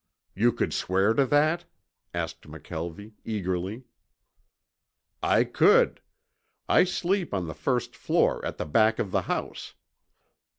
"You could swear to that?" asked McKelvie eagerly. "I could. I sleep on the first floor at the back of the house.